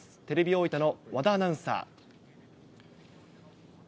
テレビ大分の和田アナウンサー。